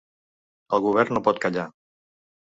El govern no pot callar.